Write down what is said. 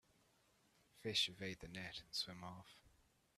Fish evade the net and swim off.